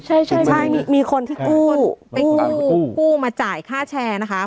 ใช่ใช่มีคนที่กู้ไปกู้กู้มาจ่ายค่าแชร์นะคะ